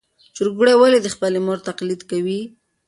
چرګوړي ولې د خپلې مور تقلید کوي؟